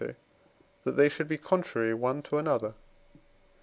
that they should be contrary one to another.